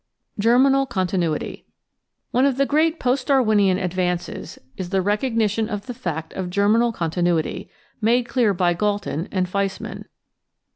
Germinal Continuity One of the great post Darwinian advances is the recognition of the fact of germinal continuity — ^made clear by Galton and Weismann.